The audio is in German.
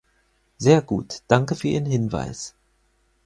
Sehr gut, danke für Ihren Hinweis.